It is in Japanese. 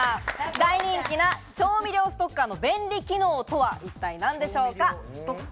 大人気な調味料ストッカーの便利な機能とは一体何でしょうか？